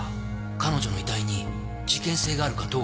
彼女の遺体に事件性があるかどうかって。